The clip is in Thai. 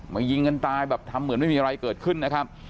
ยิงกันตายแบบทำเหมือนไม่มีอะไรเกิดขึ้นนะครับ